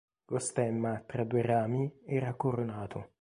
Lo stemma, tra due rami, era coronato.